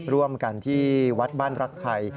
ร่วมกันที่วัดบ้านรักไทย